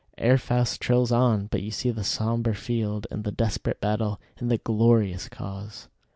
Herr Faust trills on, but you see the sombre field and the desperate battle and the glorious cause.